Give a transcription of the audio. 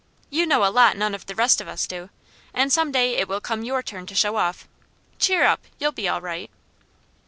You know a lot none of the rest of us do, and some day it will come your turn to show off. Cheer up, you'll be all right."